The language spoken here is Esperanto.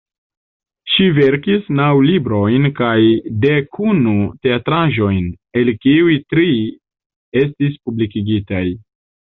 Ŝi verkis naŭ librojn kaj dek unu teatraĵojn, el kiuj tri estis publikigitaj.